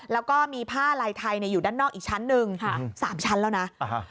แล้วก็มีผ้าลายไทยอยู่ด้านนอกอีกชั้นหนึ่งสามชั้นแล้วนะ